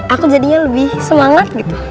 aku jadinya lebih semangat gitu